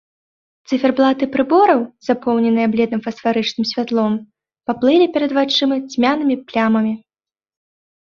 Цыферблаты прыбораў, запоўненыя бледным фасфарычным святлом, паплылі перад вачыма цьмянымі плямамі.